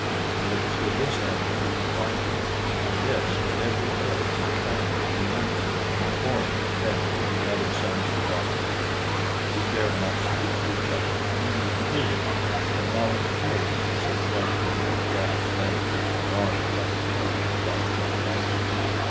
And it was to this end we were fighting; for this that every village and family in England was deploring the death of beloved sons and fathers. We dared not speak to each other, even at table, of Malplaquet, so frightful were the gaps left in our army by the cannon of that bloody action.